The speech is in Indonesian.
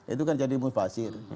itu kan jadi mubasir